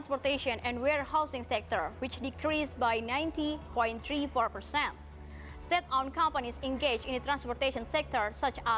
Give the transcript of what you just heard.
pertama tama saya ingin menjelaskan kesempatan covid sembilan belas dan penyelamat ekonomi jakarta